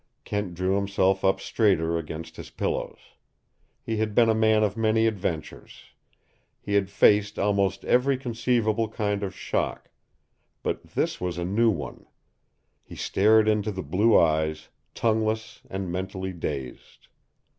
Kent drew himself up straighter against his pillows. He had been a man of many adventures. He had faced almost every conceivable kind of shock. But this was a new one. He stared into the blue eyes, tongueless and mentally dazed.